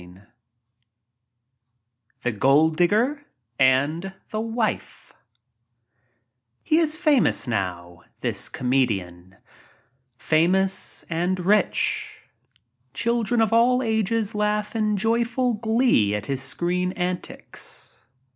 iff* The " Gold Digger" and the Wife HE is famous" now, this comedian — famous and rich. Children of all ages laugh in joyful glee at his screen antics.